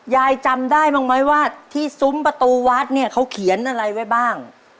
ยายจำได้บ้างไหมว่าที่ซุ้มประตูวัดเนี่ยเขาเขียนอะไรไว้บ้าง